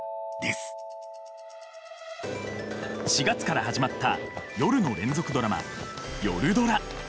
４月から始まった夜の連続ドラマ「夜ドラ」。